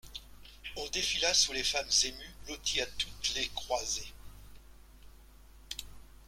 On défila sous les femmes émues, blotties à toutes les croisées.